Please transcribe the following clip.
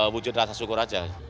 wujud rasa syukur saja